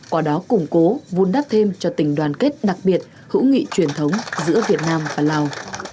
qua đó củng cố vun đắp thêm cho tình đoàn kết đặc biệt hữu nghị truyền thống giữa việt nam và lào